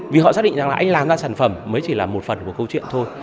vì họ xác định rằng là anh làm ra sản phẩm mới chỉ là một phần của câu chuyện thôi